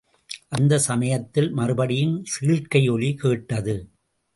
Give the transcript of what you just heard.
அந்தச் சமயத்தில் மறுபடியும் சீழ்க்கை ஒலி கேட்டது.